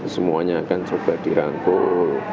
semuanya akan coba dirangkul